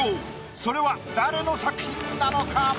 それは誰の作品なのか？